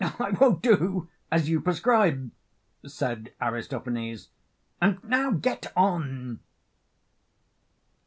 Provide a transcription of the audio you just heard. I will do as you prescribe, said Aristophanes, and now get on.